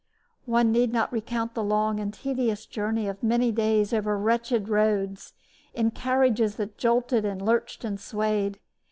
One need not recount the long and tedious journey of many days over wretched roads, in carriages that jolted and lurched and swayed.